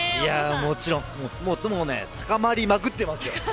もちろん高まりまくってますよ。